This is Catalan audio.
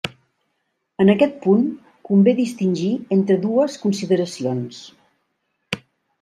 En aquest punt convé distingir entre dues consideracions.